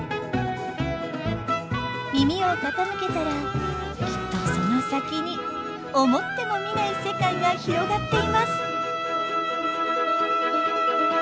耳をかたむけたらきっとその先に思ってもみない世界が広がっています。